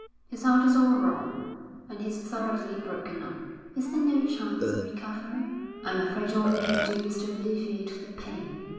'His heart is all wrong, and he's thoroughly broken up.' 'Is there no chance of recovery?' 'I'm afraid all we can do is to alleviate the pain.'